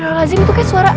safra lazim itu kayak suara